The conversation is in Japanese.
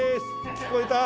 聞こえた？